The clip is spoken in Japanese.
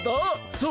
そう。